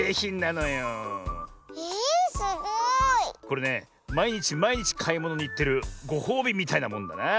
これねまいにちまいにちかいものにいってるごほうびみたいなもんだな。